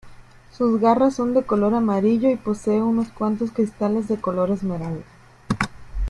Sus garras son de color amarillo y posee unos cuantos cristales de color esmeralda.